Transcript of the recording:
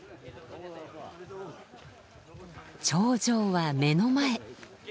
頂上は目の前。